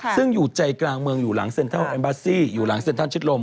ซึ่งอยู่ใจกลางเมืองอยู่หลังเซ็นทรัลเอมบาซี่อยู่หลังเซ็นทรัลชิดลม